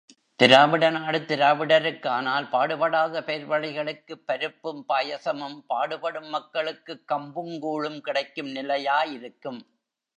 திராவிட நாடு திராவிடருக்கானால், பாடுபடாத பேர்வழிகளுக்குப் பருப்பும் பாயசமும், பாடுபடும் மக்களுக்குக் கம்புங் கூழும் கிடைக்கும் நிலையா இருக்கும்?